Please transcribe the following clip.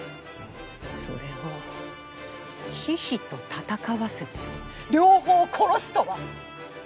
それを狒々と戦わせて両方殺すとは。